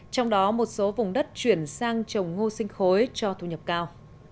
trong đó một số vùng đất chuyển sang trồng ngô sinh khối cho thu nhập cao